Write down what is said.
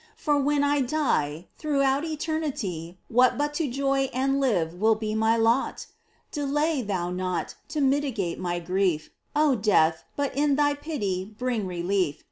For when I die, throughout eternity What but to joy and live will be my lot ? Delay thou not to mitigate my grief, O Death ! but in thy pity bring relief.